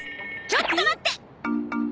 ちょっと待って！